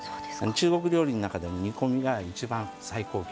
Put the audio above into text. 中国料理の中でも煮込みが一番最高級。